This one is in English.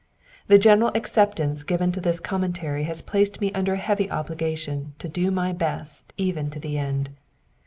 The general acceptance given to this Com mentary has placed me under a heavy obligation to do my best even to the end.